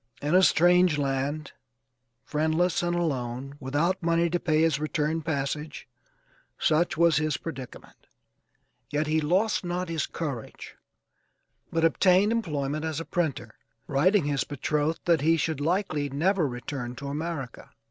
In a strange land, friendless and alone, without money to pay his return passage, such was his predicament; yet he lost not his courage, but obtained employment as a printer, writing his betrothed that he should likely never return to America.